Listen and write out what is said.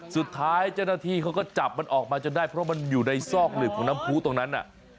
สุดท้ายเจ้าหน้าที่เขาก็จับมันออกมาจนได้เพราะมันอยู่ในซอกหลืบของน้ำพูตรงนั้น